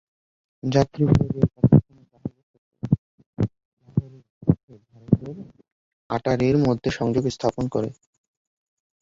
এ যাত্রীবাহী রেল পাকিস্তানের লাহোরের সাথে ভারতের আটারীর মধ্যে সংযোগ স্থাপন করে।